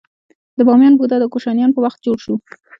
د بامیان بودا د کوشانیانو په وخت جوړ شو